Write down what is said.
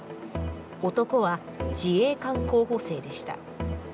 男は自衛官候補生でした。